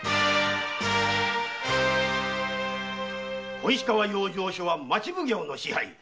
小石川養生所は町奉行の支配。